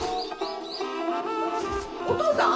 お義父さん？